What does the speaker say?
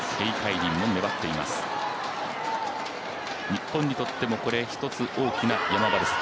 日本にとっても、一つ大きな山場です。